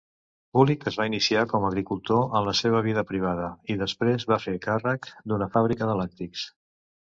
Boulic es va iniciar com a agricultor en la seva vida privada i després va fer càrrec d'una fàbrica de làctics.